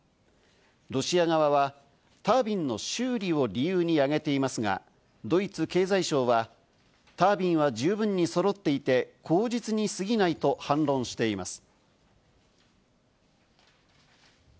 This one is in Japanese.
ロシア側はタービンの修理を理由に挙げていますが、ドイツ経済相は、タービンは十分にそろっていて口実に過ぎないと反論しています。